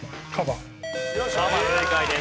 カバ正解です。